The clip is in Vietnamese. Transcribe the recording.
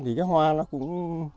thì cái hoa nó cũng